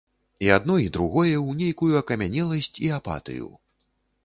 І адно і другое ў нейкую акамянеласць і апатыю.